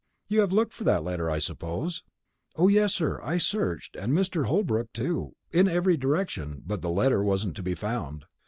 "You have looked for that letter, I suppose?" "O yes, sir; I searched, and Mr. Holbrook too, in every direction, but the letter wasn't to be found.